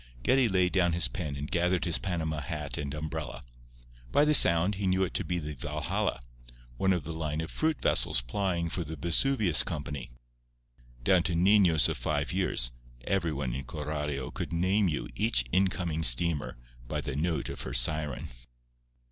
Geddie laid down his pen and gathered his Panama hat and umbrella. By the sound he knew it to be the Valhalla, one of the line of fruit vessels plying for the Vesuvius Company. Down to niños of five years, everyone in Coralio could name you each incoming steamer by the note of her siren.